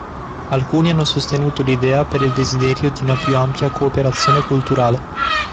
Alcuni hanno sostenuto l'idea per il desiderio di una più ampia cooperazione culturale.